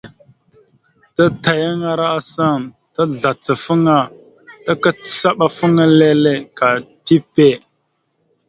Tatayaŋara asaŋ tazlacafaŋa takəcaɗafaŋa leele ka tipe.